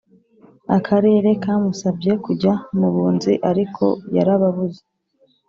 Akarere kamusabye kujya mu bunzi ariko yarababuze